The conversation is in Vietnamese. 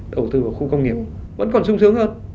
đầu tư vào khu công nghiệp vẫn còn sung sướng hơn